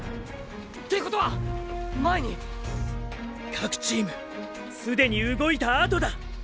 てことは前に⁉各チームすでに動いたあとだ！！